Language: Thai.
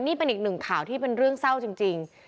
นี่เป็นอีกหนึ่งข่าวที่เป็นเรื่องเศร้าจริง